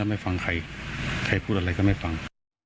ไม่ฟังใครใครพูดอะไรก็ไม่ฟัง